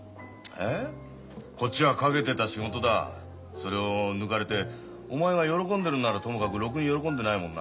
それを抜かれてお前が喜んでるんならともかくろくに喜んでないもんな。